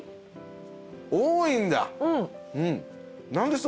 多いんだ。